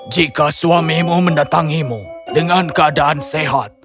jika suamimu mendatangimu dengan keadaan sehat